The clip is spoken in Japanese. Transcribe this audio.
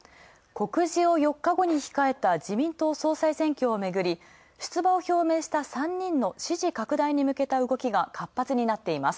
告示を４日後に控えた自民党総裁選挙をめぐり、出馬を表明した３人の支持拡大に向けた動きが活発になっています